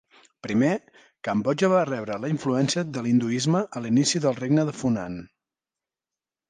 Primer, Cambodja va rebre la influència de l'hinduisme a l'inici del Regne de Funan.